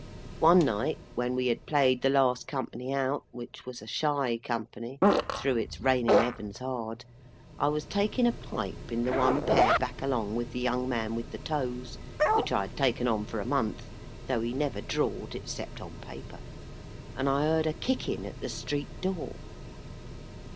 One night, when we had played the last company out, which was a shy company, through its raining Heavens hard, I was takin a pipe in the one pair back along with the young man with the toes, which I had taken on for a month (though he never drawed—except on paper), and I heard a kickin at the street door.